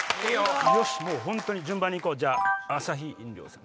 もう本当に順番に行こうじゃあアサヒ飲料さん。